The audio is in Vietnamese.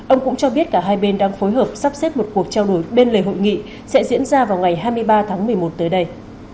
ông cũng cho biết cả hai bên đang phối hợp sắp xếp một cuộc trao đổi bên lề hội nghị sẽ diễn ra vào ngày hai mươi ba tháng một mươi một tới đây